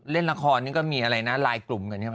เล่นละครนี่ก็มีอะไรนะลายกลุ่มกันใช่ไหม